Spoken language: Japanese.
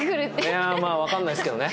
いやまあわかんないですけどね。